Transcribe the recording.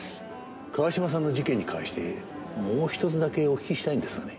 川島さんの事件に関してもう一つだけお聞きしたいんですがね。